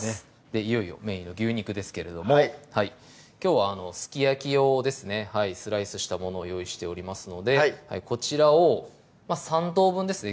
いよいよメインの牛肉ですけれどもきょうはすき焼き用ですねスライスしたものを用意しておりますのでこちらを３等分ですね